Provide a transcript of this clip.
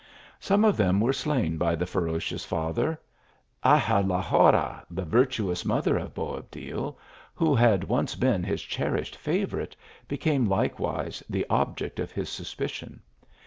Some of them were slain by the ferocious father. Ayxa la Horra, the virtuous mother of Boabdil, who had once been his cherished favourite, became likewise the object of his suspicion.